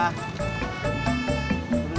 ayo dulu deh